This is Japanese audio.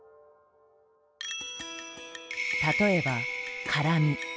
例えば辛み。